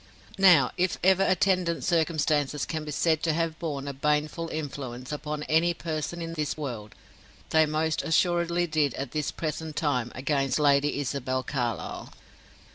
Now, if ever attendant circumstances can be said to have borne a baneful influence upon any person in this world, they most assuredly did at this present time against Lady Isabel Carlyle.